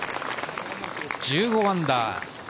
１５アンダー。